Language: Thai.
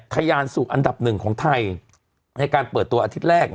ทะยานสู่อันดับหนึ่งของไทยในการเปิดตัวอาทิตย์แรก